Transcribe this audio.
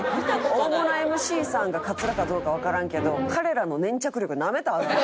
大物ＭＣさんがカツラかどうかわからんけど彼らの粘着力なめたらアカン。